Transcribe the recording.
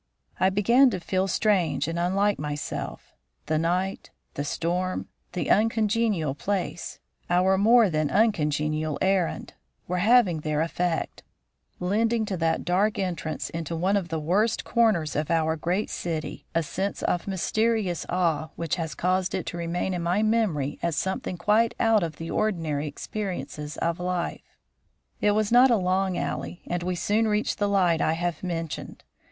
I began to feel strange and unlike myself. The night, the storm, the uncongenial place, our more than uncongenial errand, were having their effect, lending to that dark entrance into one of the worst corners of our great city a sense of mysterious awe which has caused it to remain in my memory as something quite out of the ordinary experiences of life. It was not a long alley, and we soon reached the light I have mentioned.